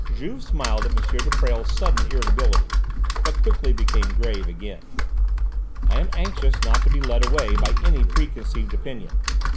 Juve smiled at M. de Presles' sudden irritability, but quickly became grave again. "I am anxious not to be led away by any preconceived opinion.